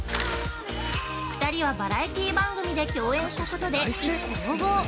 ２人は、バラエティ番組で共演したことで意気投合！